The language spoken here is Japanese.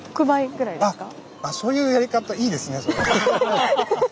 あっそういうやり方いいですねそれ。